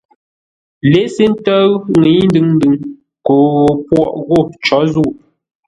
Lěsé ńtə́ʉ ńŋə́i ndʉŋ-ndʉŋ ko gho pwôghʼ ghô cǒ zə̂u.